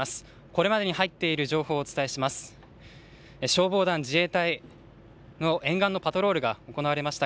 これまでに入っている情報をお伝えします。